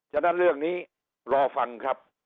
ฉะนั้นเรื่องนี้รอฟังครับ